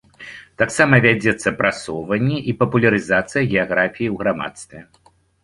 Таксама вядзецца прасоўванне і папулярызацыя геаграфіі ў грамадстве.